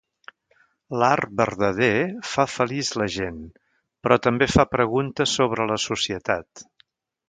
L'art verdader fa feliç la gent, però també fa preguntes sobre la societat.